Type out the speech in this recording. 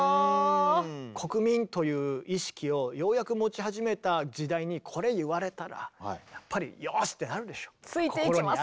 国民という意識をようやく持ち始めた時代にこれ言われたらやっぱり「よし！」ってなるでしょ？